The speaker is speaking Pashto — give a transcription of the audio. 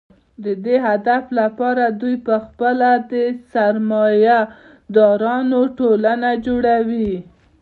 د دې هدف لپاره دوی په خپله د سرمایه دارانو ټولنه جوړوي